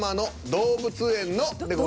「動物園の」？